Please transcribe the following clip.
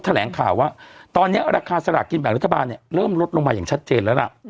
ข้อแถลงข่าวว่าตอนนี้ราคาฉลากกินแบบรัฐบาลเริ่มลดลงมาอย่างชัดเจนแล้ว